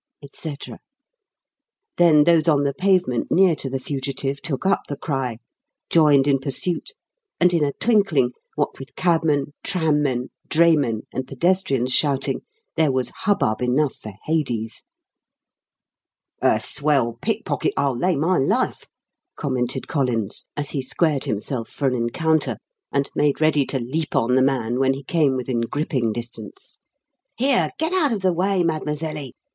et cetera; then those on the pavement near to the fugitive took up the cry, joined in pursuit, and in a twinkling, what with cabmen, tram men, draymen, and pedestrians shouting, there was hubbub enough for Hades. "A swell pickpocket, I'll lay my life," commented Collins, as he squared himself for an encounter and made ready to leap on the man when he came within gripping distance. "Here! get out of the way, madmazelly.